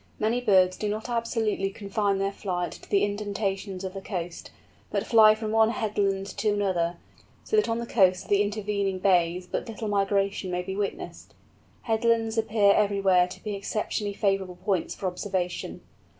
Many birds do not absolutely confine their flight to the indentations of the coast, but fly from one headland to another, so that on the coasts of the intervening bays but little migration may be witnessed. Headlands appear everywhere to be exceptionally favourable points for observation.